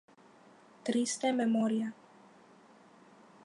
Triste Memoria"...